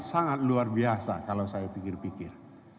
sangat luar biasa kalau saya pikir pikir